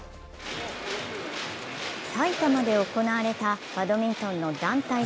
埼玉で行われたバドミントンの団体戦